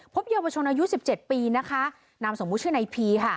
พบเยาวชนอายุ๑๗ปีน้ำสมมติชื่อในพี